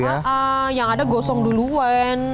iya yang ada gosong duluan